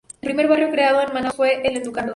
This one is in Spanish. El primer barrio creado en Manaos fue el "Educandos".